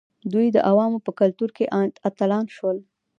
دوی د عوامو په کلتور کې اتلان شول.